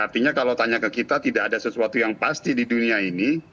artinya kalau tanya ke kita tidak ada sesuatu yang pasti di dunia ini